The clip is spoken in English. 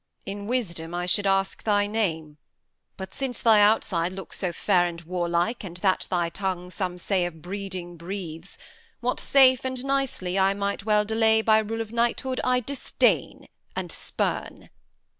Edm. In wisdom I should ask thy name; But since thy outside looks so fair and warlike, And that thy tongue some say of breeding breathes, What safe and nicely I might well delay By rule of knighthood, I disdain and spurn.